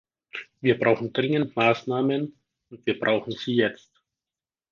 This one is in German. Wir brauchen dringend Maßnahmen, und wir brauchen sie jetzt.